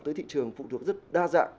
tới thị trường phụ thuộc rất đa dạng